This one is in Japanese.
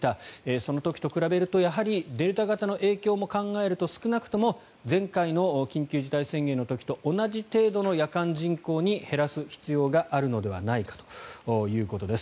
その時と比べると、やはりデルタ型の影響も考えると少なくとも前回の緊急事態宣言の時と同じ程度の夜間人口に減らす必要があるのではないかということです。